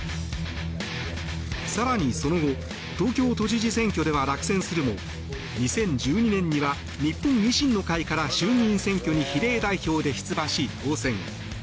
更に、その後東京都知事選挙では落選するも２０１２年には日本維新の会から衆議院選挙に比例代表で出馬し当選。